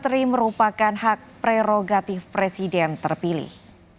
menteri merupakan hak prerogatif presiden terpilih